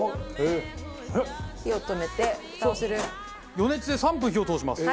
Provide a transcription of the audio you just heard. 余熱で３分火を通します。